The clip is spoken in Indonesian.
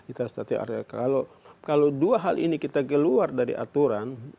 kalau dua hal ini kita keluar dari aturan